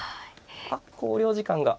あっ考慮時間が。